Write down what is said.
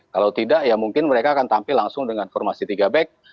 kalau tidak ya mungkin mereka akan tampil langsung dengan formasi tiga back